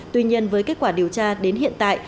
tuy nhiên với kết quả điều tra đến hiện tại